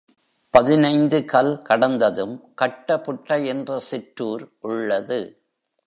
பதினைந்து கல் கடந்ததும் கட்டபுட்டை என்ற சிற்றூர் உள்ளது.